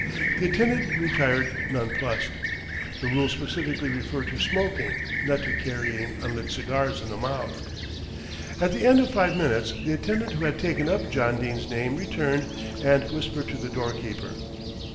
The attendant retired nonplussed. The rule specifically referred to smoking, not to carrying unlit cigars in the mouth. At the end of five minutes, the attendant who had taken up John Dene's name returned, and whispered to the doorkeeper.